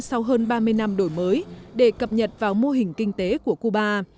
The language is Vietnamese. sau hơn ba mươi năm đổi mới để cập nhật vào mô hình kinh tế của cuba